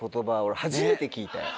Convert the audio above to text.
俺初めて聞いたよ。